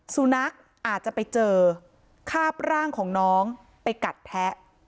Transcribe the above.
สุนัขอาจจะไปเจอคาบร่างของน้องไปกัดแทะ